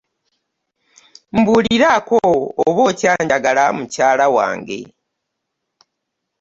Mbuuliraako oba okyanjagama mukyala wange.